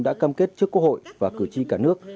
đã cam kết trước quốc hội và cử tri cả nước